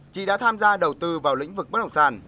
chị đã tham gia đầu tư vào lĩnh vực bất động sản